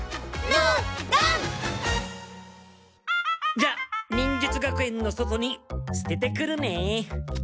じゃ忍術学園の外に捨ててくるね。